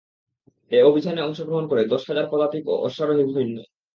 এ অভিযানে অংশগ্রহণ করে দশ হাজার পদাতিক ও অশ্বারোহী সৈন্য।